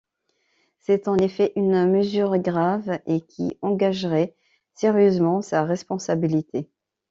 C’est, en effet, une mesure grave et qui engagerait sérieusement sa responsabilité.